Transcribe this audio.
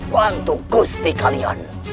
bantu gusti kalian